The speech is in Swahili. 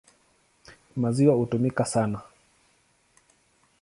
Maziwa hutumika sana.